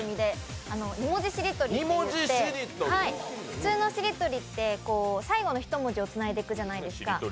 ２文字しりとりといって普通のしりとりって最後の１文字をつないでいくじゃないですか。